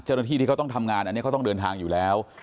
เจ้าหน้าที่ที่เขาต้องทำงานอันนี้เขาต้องเดินทางอยู่แล้ว